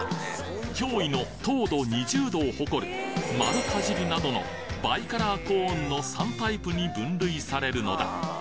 驚異の糖度２０度を誇る「まるかじり」などのバイカラーコーンの３タイプに分類されるのだ